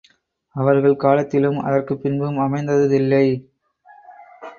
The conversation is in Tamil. அவர்கள் காலத்திலும், அதற்குப் பின்பும் அமைந்ததில்லை.